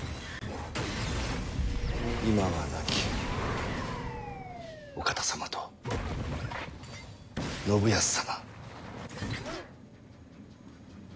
今は亡きお方様と信康様。